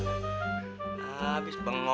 nah adik sampe setan bego